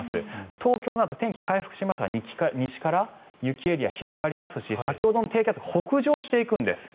東京など天気回復しますが西から雪エリアが広がりますし先ほどの低気圧北上していくんです。